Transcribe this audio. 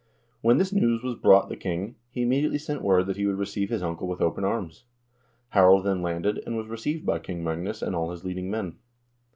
When this news was brought the king, he immediately sent word that he would receive his uncle with open arms. Harald then landed and was received by King Magnus and all his leading men.